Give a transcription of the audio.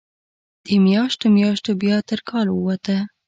د میاشتو، میاشتو بیا تر کال ووته